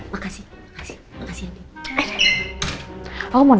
makasih makasih makasih andi